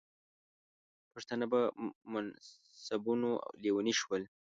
پښتانه په منصبونو لیوني شول.